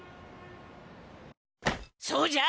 そうじゃ！